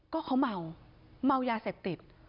ก็เขาเมาเมายาเสพติด